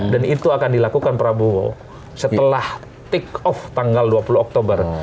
dan itu akan dilakukan prabowo setelah take off tanggal dua puluh oktober